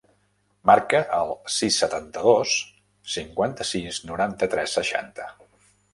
Marca el sis, setanta-dos, cinquanta-sis, noranta-tres, seixanta.